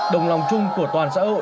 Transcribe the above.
đồng lòng chung của toàn xã hội